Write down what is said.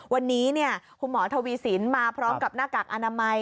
วันนี้คุณหมอทวีสินมาพร้อมกับหน้ากากอนามัย